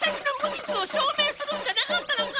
じつをしょうめいするんじゃなかったのか！？